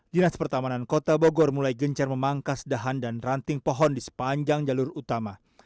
dinas pertamanan kota bogor mulai gencar memangkas dahan dan ranting pohon di sepanjang jalur utama